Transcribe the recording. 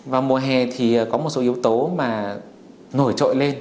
vào mùa hè thì có một số yếu tố mà nổi trội lên